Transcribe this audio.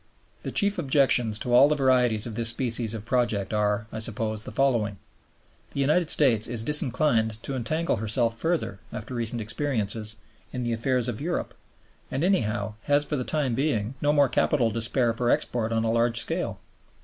The chief objections to all the varieties of this species of project are, I suppose, the following. The United States is disinclined to entangle herself further (after recent experiences) in the affairs of Europe, and, anyhow, has for the time being no more capital to spare for export on a large scale.